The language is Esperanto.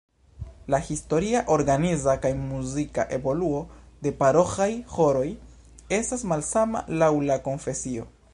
La historia, organiza kaj muzika evoluo de paroĥaj ĥoroj estas malsama laŭ la konfesio.